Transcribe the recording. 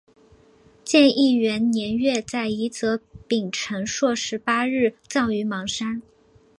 建义元年月在夷则丙辰朔十八日葬于邙山。